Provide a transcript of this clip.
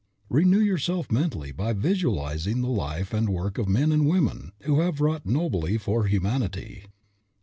Renew yourself mentally by visualizing the life and work of men and women who have wrought nobly for humanity.